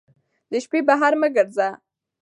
د شپې بهر مه ګرځه